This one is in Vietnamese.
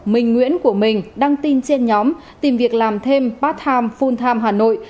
mình nguyễn của mình đăng tin trên nhóm tìm việc làm thêm bắt tham full tham hà nội